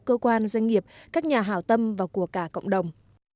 cơ quan doanh nghiệp các nhà hảo tâm và của cả cộng đồng